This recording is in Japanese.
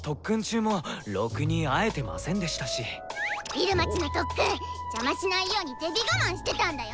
イルマちの特訓ジャマしないようにデビ我慢してたんだよ！